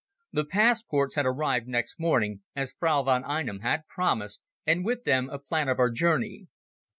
The passports had arrived next morning, as Frau von Einem had promised, and with them a plan of our journey.